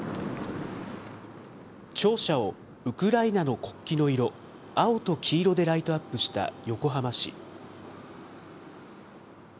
庁舎をウクライナの国旗の色、青と黄色でライトアップした横浜市。